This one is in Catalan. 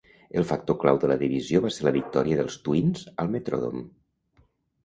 El factor clau de la divisió va ser la victòria dels Twins al Metrodome.